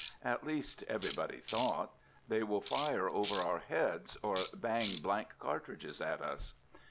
At least, everybody thought, "They will fire over our heads, or bang blank cartridges at us."